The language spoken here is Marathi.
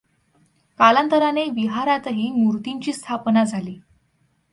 कालांतराने विहारांतही मूर्तींची स्थापना झाली.